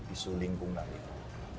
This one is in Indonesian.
isu lingkungan itu